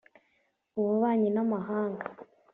ububanyi n’amahanga